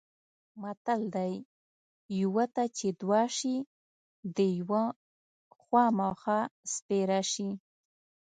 متل دی: یوه ته چې دوه شي د یوه خوامخا سپېره شي.